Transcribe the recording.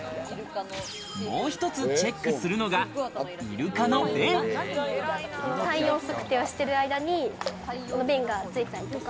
もう１つチェックするのが、体温測定をしてる間に便がついたりとか。